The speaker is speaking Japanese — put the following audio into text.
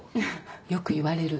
よく言われる。